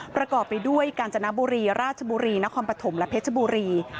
ประกอบไปด้วยกาญจนบุรีราชบุรีนครปฐมและเพชรบุรี